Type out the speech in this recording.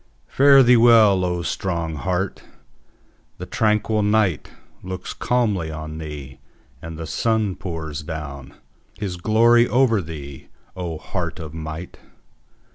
Fare thee well, O strong heart! The tranquil nightLooks calmly on thee: and the sun pours downHis glory over thee, O heart of might!